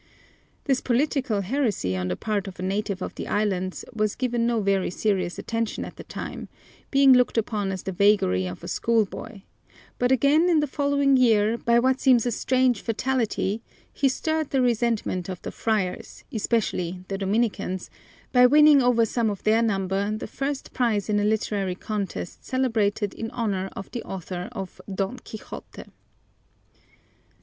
This political heresy on the part of a native of the islands was given no very serious attention at the time, being looked upon as the vagary of a schoolboy, but again in the following year, by what seems a strange fatality, he stirred the resentment of the friars, especially the Dominicans, by winning over some of their number the first prize in a literary contest celebrated in honor of the author of Don Quixote.